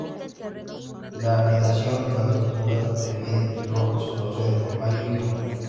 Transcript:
La anidación de la tortuga de vientre rojo se produce entre mayo y julio.